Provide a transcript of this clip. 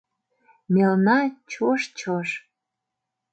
Мелна чож-чож